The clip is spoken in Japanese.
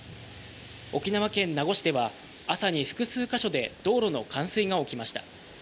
沖縄県名護市では朝に複数箇所で道路の冠水が起きました。